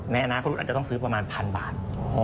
ในอนาคตอาจจะต้องซื้อประมาณ๑๐๐บาท